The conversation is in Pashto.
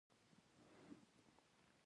د لمر د ختلو په وخت کې هر څه رڼا کېږي.